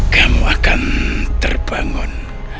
kamu akan terbangun